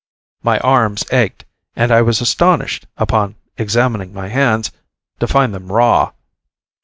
My arms ached, and I was astonished, upon examining my hands, to find them raw.